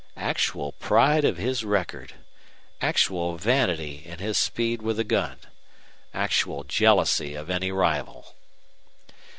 Actual pride of his record! Actual vanity in his speed with a gun. Actual jealousy of any rival!